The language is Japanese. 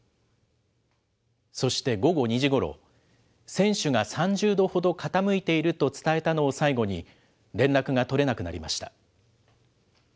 そして午後２時ごろ、船首が３０度ほど傾いていると伝えたのを最後に、連絡が取れなくなりました。